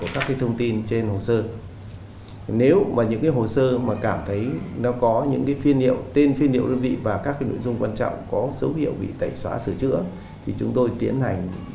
các bạn hãy đăng ký kênh để ủng hộ kênh của chúng tôi nhé